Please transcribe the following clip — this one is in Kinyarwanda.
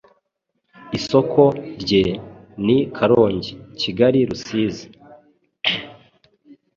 Isoko rye ni Karongi, Kigali, Rusizi,